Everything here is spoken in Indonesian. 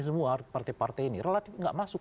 semua partai partai ini relatif nggak masuk